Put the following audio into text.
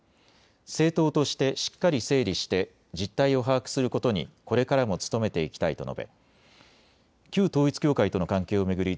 政党としてしっかり整理して実態を把握することにこれからも努めていきたいと述べ、旧統一教会との関係を巡り